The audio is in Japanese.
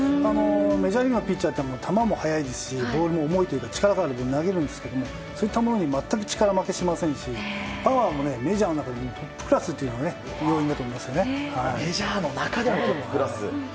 メジャーリーグのピッチャーは球も速いですしボールも重いというか力があるので投げるんですけど全く力負けしませんしパワーもメジャーの中でもトップクラスというのがメジャーの中でもトップクラス。